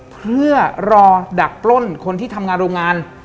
เพื่อรอดักปล้นคนที่ทำงานโรงงาน